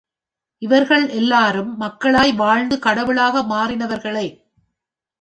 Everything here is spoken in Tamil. இவர்கள், எல்லாரும் மக்களாய் வாழ்ந்து கடவுளாக மாறினவர்களே!